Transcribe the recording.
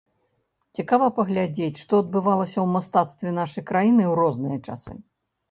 Цікава паглядзець, што адбывалася ў мастацтве нашай краіны ў розныя часы.